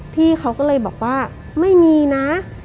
พี่เขาก็เลยบอกว่าไม่มีนะ